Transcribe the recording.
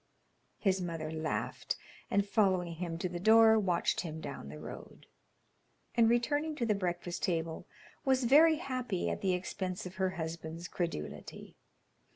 His mother laughed, and following him to the door, watched him down the road; and returning to the breakfast table, was very happy at the expense of her husband's credulity.